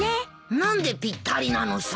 何でぴったりなのさ？